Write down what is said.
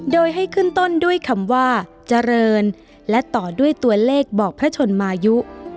โดยให้ขึ้นต้นด้วยคำว่าเจริญและต่อด้วยตัวเลขบอกพระชนมายุ